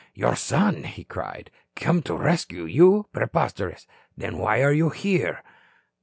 "Your son?" he cried. "Came to rescue you? Preposterous. Then, why are you here?"